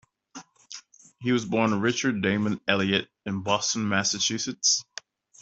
He was born Richard Damon Elliott in Boston, Massachusetts.